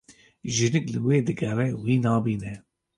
Jinik li wî digere wî nabîne.